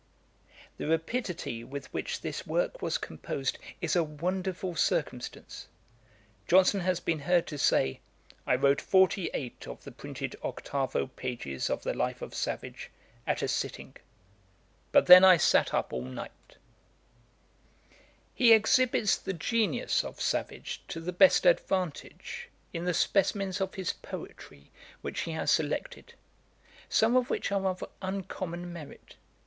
The rapidity with which this work was composed, is a wonderful circumstance. Johnson has been heard to say, 'I wrote forty eight of the printed octavo pages of the Life of Savage at a sitting; but then I sat up all night.' [Page 166: Resemblance of Johnson to Savage. A.D. 1744.] He exhibits the genius of Savage to the best advantage in the specimens of his poetry which he has selected, some of which are of uncommon merit.